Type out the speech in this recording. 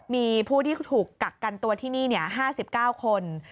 มีผู้ที่ถูกกักกันตัวที่นี่๕๙คน